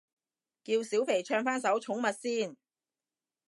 叫小肥唱返首寵物先